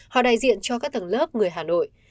họ đại diện cho các tầng lớp người hà nội